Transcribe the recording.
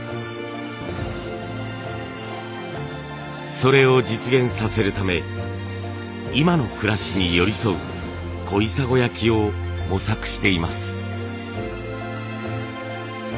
それを実現させるため今の暮らしに寄り添う小砂焼を模索しています。